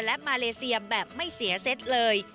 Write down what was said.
และมาเลเซียแบบไม่เสียเซตเลย